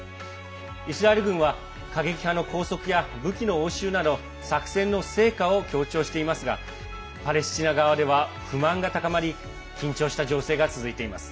イスラエル軍は過激派の拘束や武器の押収など作戦の成果を強調していますがパレスチナ側では不満が高まり緊張した情勢が続いています。